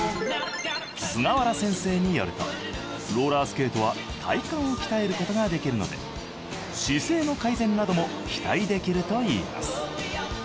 菅原先生によるとローラースケートは体幹を鍛えることができるので姿勢の改善なども期待できるといいます。